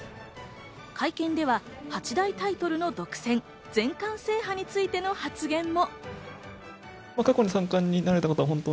会見では八大タイトルの独占、全冠制覇についての発言も。